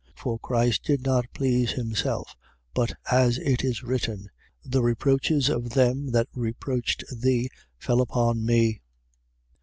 15:3. For Christ did not please himself: but, as it is written: The reproaches of them that reproached thee fell upon me.